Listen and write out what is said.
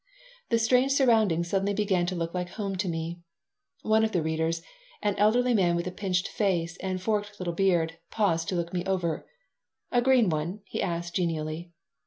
The strange surroundings suddenly began to look like home to me One of the readers, an elderly man with a pinched face and forked little beard, paused to look me over "A green one?" he asked, genially.